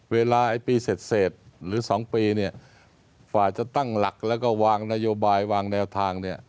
เวลาปีเสร็จหรือ๒ปีพ่าจะตั้งหลักแล้วก็วางนัยโยบายและวางแนวทาง